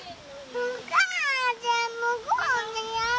お母ちゃん向こうにやって！